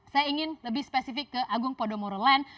saya ingin lebih spesifik ke agung podomoro land